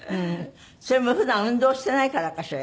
それも普段運動してないからかしら？